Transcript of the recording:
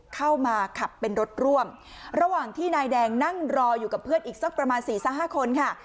เข้ามาขับเป็นรถร่วมระหว่างที่นายแดงนั่งรออยู่กับเพื่อนอีกสักประมาณสี่ห้าคนค่ะ